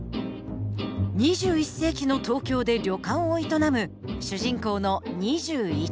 ２１世紀のトウキョウで旅館を営む主人公の２１エモン。